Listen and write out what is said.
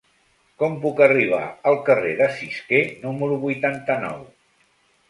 Com puc arribar al carrer de Cisquer número vuitanta-nou?